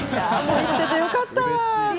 生きててよかったわ。